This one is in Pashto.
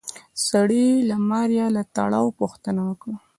سړي د ماريا د تړاو پوښتنه وکړه.